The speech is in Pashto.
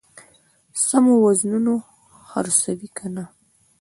سمو وزنونو خرڅوي کنه.